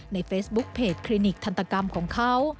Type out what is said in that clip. ในเฟซบุ๊คเพจคลินิกทันตกรรมของเขา